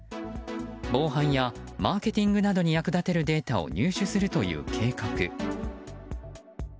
防犯やマーケティングなどに役立てるデータを入手するという計画。